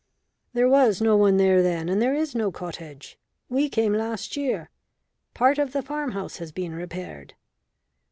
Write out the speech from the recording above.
"There was no one there then, and there is no cottage. We came last year. Part of the farm house has been repaired."